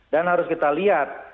dan harus kita lihat